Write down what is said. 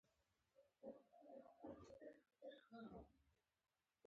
کچالو د فصل محصول دی